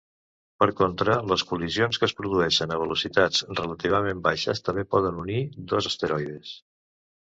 Per contra, les col·lisions que es produeixen a velocitats relativament baixes també poden unir dos asteroides.